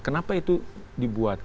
kenapa itu dibuat